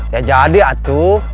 ya jadi atu